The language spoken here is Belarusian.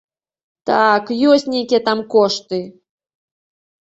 Так, ёсць нейкія там кошты.